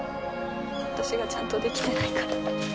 私がちゃんとできてないから。